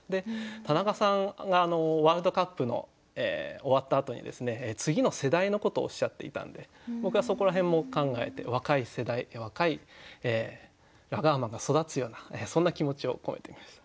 田中さんがワールドカップの終わったあとに次の世代のことをおっしゃっていたんで僕はそこら辺も考えて若い世代若いラガーマンが育つようなそんな気持ちを込めてみました。